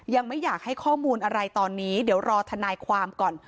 ยังไม่อยากให้ข้อมูลอะไรตอนนี้เดี๋ยวรอทนายความก่อน